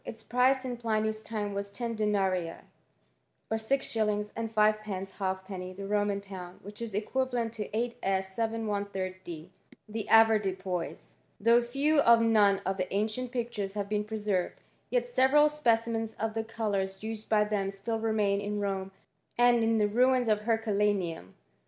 Its price m Pliny's time was ten denarii, or six shillings and fivfr pence halfpenny the Roman pound ; which is equifti lent to 85. l\d, the avoirdupois. ^ Though few or none of the ancient pictures hMi been preserved, yet several specimens of the co' used by them still remain in Rome and in the ru Herculaneum.